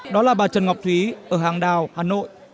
đó là bà trần ngọc thúy ở hàng đào hà nội